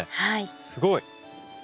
すごい！